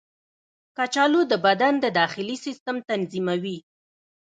کچالو د بدن د داخلي سیسټم تنظیموي.